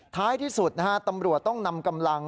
ท้ายที่สุดนะฮะตำรวจต้องนำกำลัง